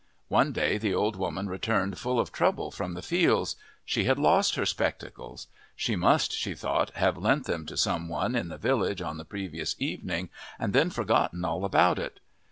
One day the old woman returned full of trouble from the fields she had lost her spectacles; she must, she thought, have lent them to some one in the village on the previous evening and then forgotten all about it.